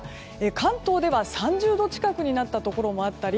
関東では３０度近くになったところもあったり